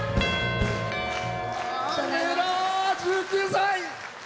１９歳。